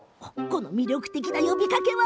この魅力的な呼びかけは？